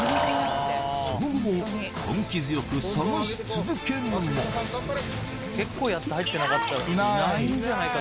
その後も根気強く探し続けるもいない。